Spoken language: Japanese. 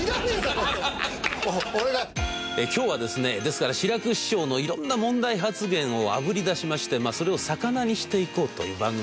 今日はですねですから志らく師匠の色んな問題発言をあぶり出しましてまあそれをさかなにしていこうという番組です。